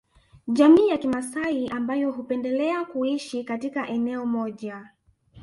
Jamii ya kimasai ambayo hupendelea kuishi katika eneo moja